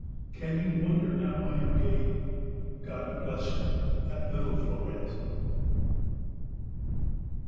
Can you wonder now I am gay? God bless her, that little Fleurette!